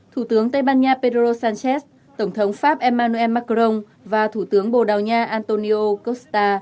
thủ tướng tây ban nha pedro sánchez tổng thống pháp emmanuel macron và thủ tướng bồ đào nha antonio kosta